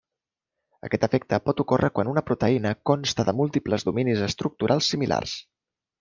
Aquest efecte pot ocórrer quan una proteïna consta de múltiples dominis estructurals similars.